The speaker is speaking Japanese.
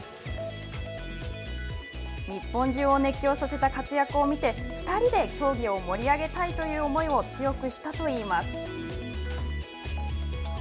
日本中を熱狂させた活躍を見て２人で競技を盛り上げたいという思いを強くしたといいます。